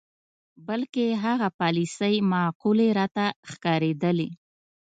بلکې هغه پالیسۍ معقولې راته ښکارېدلې.